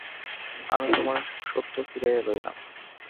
আমি তোমার সত্য ফিরাইয়া লইলাম।